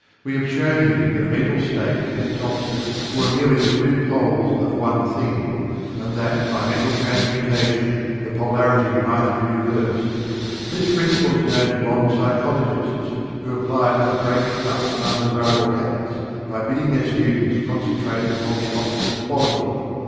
We have shown you that a mental state and its opposite were merely the two poles of one thing, and that by Mental Transmutation the polarity might be reversed. This Principle is known to modern psychologists, who apply it to the breaking up of undesirable habits by bidding their students concentrate upon the opposite quality.